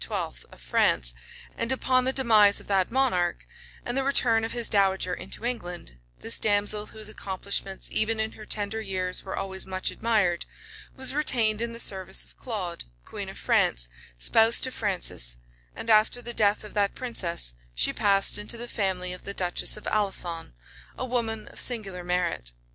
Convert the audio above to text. of France; and upon the demise of that monarch, and the return of his dowager into England, this damsel, whose accomplishments even in her tender years were always much admired, was retained in the service of Claude, queen of France, spouse to Francis; and after the death of that princess, she passed into the family of the duchess of Alençon, a woman of singular merit.